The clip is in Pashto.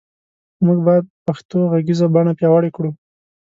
مونږ باد پښتو غږیزه بڼه پیاوړی کړو